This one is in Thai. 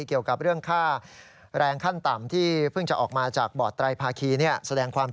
เกี่ยวกับเรื่องค่าแรงขั้นต่ำ